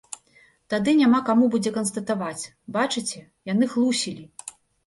Тады няма каму будзе канстатаваць, бачыце, яны хлусілі!